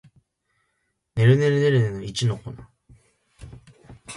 ねるねるねるねの一の粉